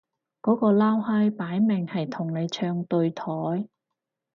嗰個撈閪擺明係同你唱對台